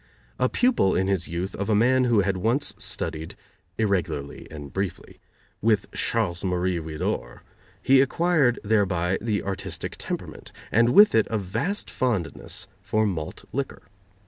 A pupil, in his youth, of a man who had once studied (irregularly and briefly) with Charles Marie Widor, he acquired thereby the artistic temperament, and with it a vast fondness for malt liquor.